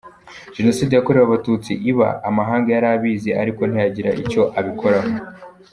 Jenoside yakorewe Abatutsi iba, amahanga yari abizi ariko ntiyagira icyo abikoraho.